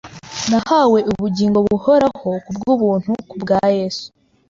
Nahawe ubugingo buhoraho ku bw’ubuntu ku bwa Yesu.